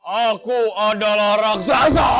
aku adalah raksasa